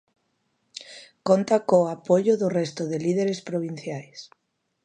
Conta co apoio do resto de líderes provinciais.